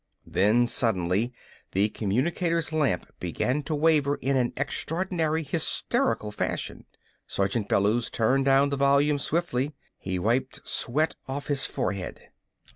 Then, suddenly, the communicator's lamp began to waver in an extraordinary, hysterical fashion. Sergeant Bellews turned down the volume swiftly. He wiped sweat off his forehead.